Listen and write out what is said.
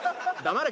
黙れ！